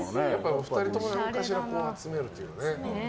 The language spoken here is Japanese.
お二人とも何かしら集めるというかね。